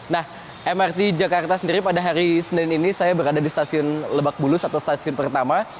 nah mrt jakarta sendiri pada hari senin ini saya berada di stasiun lebak bulus atau stasiun pertama